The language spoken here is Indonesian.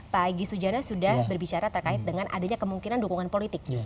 pak egy sujana sudah berbicara terkait dengan adanya kemungkinan dukungan politik